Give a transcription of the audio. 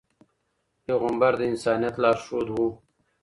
پيغمبر د انسانیت لارښود و.